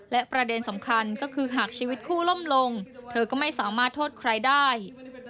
และประเด็นสำคัญก็คือหากชีวิตคู่ล่มลงเธอก็ไม่สามารถโทษใครได้